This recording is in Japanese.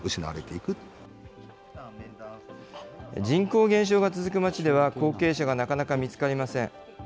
人口減少が続く町では、後継者がなかなか見つかりません。